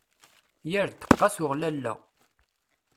Yir ddeqqa tuɣ lalla.